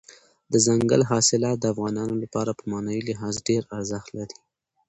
دځنګل حاصلات د افغانانو لپاره په معنوي لحاظ ډېر ارزښت لري.